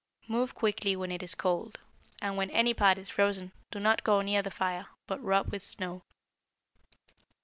Move quickly when it is cold; and when any part is frozen, do not go near the fire, but rub with snow.